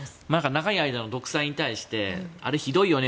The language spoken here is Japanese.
長い間の独裁に対してあれひどいよね